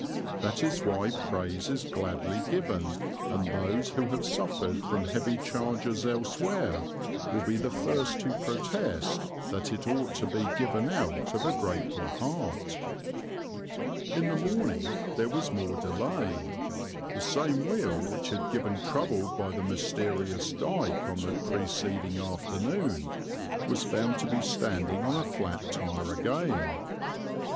That is why praise is gladly given and those who have suffered from heavy charges elsewhere will be the first to protest that it ought to be given out of a grateful heart. [Illustration: ABBEY GATEWAY, BURY ST. EDMUNDS] In the morning there was more delay. The same wheel which had given trouble by the mysterious dyke on the preceding afternoon was found to be standing on a flat tire again.